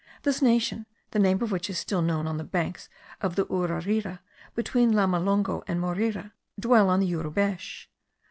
This nation, the name of which is still known on the banks of the Urarira, between Lamalongo and Moreira, dwelt on the Yurubesh.